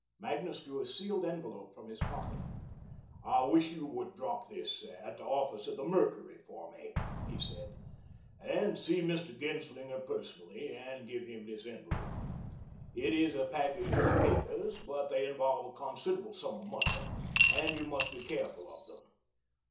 Magnus drew a sealed envelope from his pocket. "I wish you would drop in at the office of the Mercury for me," he said, "and see Mr. Genslinger personally, and give him this envelope. It is a package of papers, but they involve a considerable sum of money, and you must be careful of them.